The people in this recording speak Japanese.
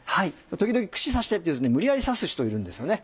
時々串刺してって言うと無理やり刺す人いるんですよね。